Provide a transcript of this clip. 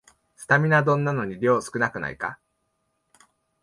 スタミナ丼なのに量少なくないか